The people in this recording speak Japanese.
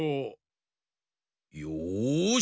よし！